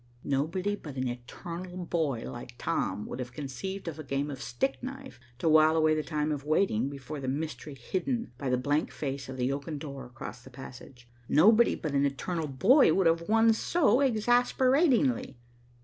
Nobody but an eternal boy like Tom would have conceived of a game of stick knife to while away the time of waiting before the mystery hidden by the blank face of the oaken door across the passage. Nobody but an eternal boy would have won so exasperatingly.